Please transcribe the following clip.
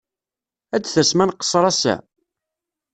Ad tasem ad nqeṣṣer ass-a?